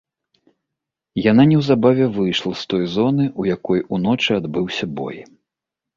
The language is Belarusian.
І яна неўзабаве выйшла з той зоны, у якой уночы адбыўся бой.